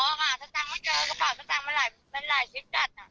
สตางค์เขาเจอก็พาสตางค์มาหลายชิ้นจัด